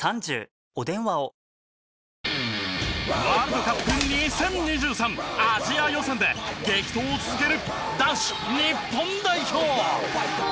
ワールドカップ２０２３アジア予選で激闘を続ける男子日本代表。